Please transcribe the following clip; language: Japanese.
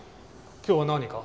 今日は何か？